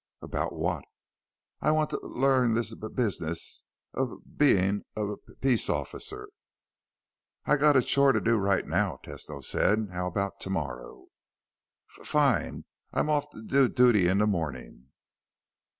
"About what?" "I want to l learn this b business of b being a p p peace officer." "I've got a chore to do right now," Tesno said. "How about tomorrow?" "F fine. I'm off d duty in the morning."